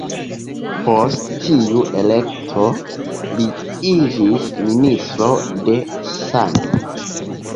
Post tiu elekto, li iĝis Ministro de sano.